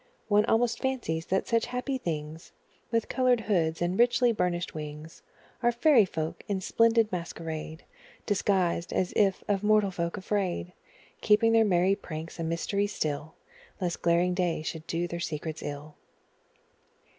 One almost fancies that such happy things, With coloured hoods and richly burnished wings, Are fairy folk, in splendid masquerade Disguised, as if of mortal folk afraid, Keeping their merry pranks a mystery still, Lest glaring day should do their secrets ill.